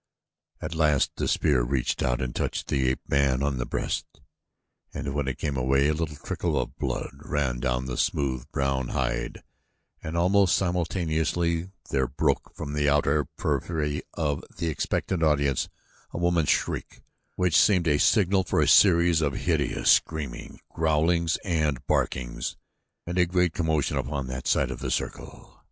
At last the spear reached out and touched the ape man on the breast and when it came away, a little trickle of blood ran down the smooth, brown hide and almost simultaneously there broke from the outer periphery of the expectant audience a woman's shriek which seemed a signal for a series of hideous screamings, growlings and barkings, and a great commotion upon that side of the circle.